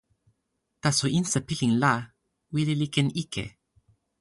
taso insa pilin la wile li ken ike.